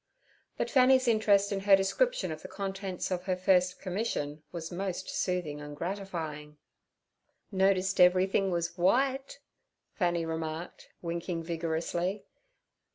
But Fanny's interest in her description of the contents of her first commission was most soothing and gratifying. 'Notice everything was w'ite?' Fanny remarked, winking vigorously.